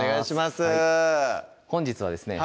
本日はですね